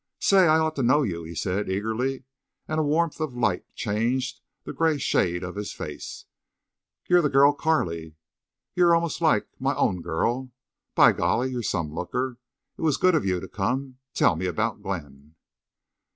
"Say, I ought to've known you," he said, eagerly, and a warmth of light changed the gray shade of his face. "You're the girl Carley! You're almost like my—my own girl. By golly! You're some looker! It was good of you to come. Tell me about Glenn."